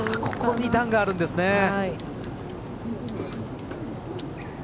ここに段があるんですね。